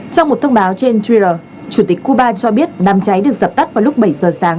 trong một thông báo trên twitter chủ tịch cuba cho biết đám cháy được dập tắt vào lúc bảy giờ sáng